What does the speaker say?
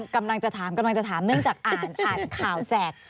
กำลังจะถามเนื่องจากอ่านข่าวแจก